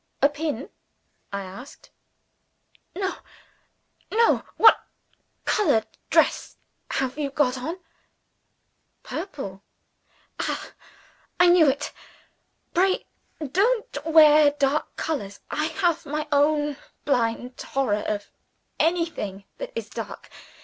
"A pin?" I asked. "No! no! What colored dress have you got on?" "Purple." "Ah! I knew it! Pray don't wear dark colors. I have my own blind horror of anything that is dark.